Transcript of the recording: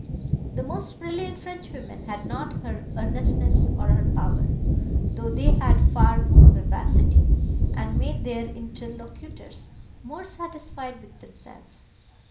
The most brilliant Frenchwomen had not her earnestness or her power, though they had far more vivacity, and made their interlocutors more satisfied with themselves.